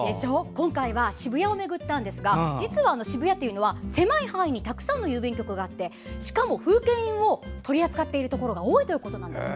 今回は渋谷を巡ったんですが実は渋谷というのは狭い範囲にたくさんの郵便局があってしかも風景印を取り扱っているところが多いということなんです。